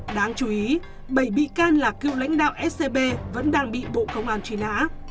đáng chú ý bảy bị can là cựu lãnh đạo scb vẫn đang bị bộ công